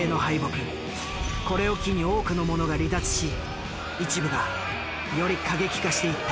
これを機に多くの者が離脱し一部がより過激化していった。